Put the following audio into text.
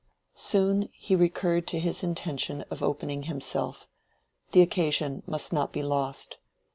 Soon he recurred to his intention of opening himself: the occasion must not be lost.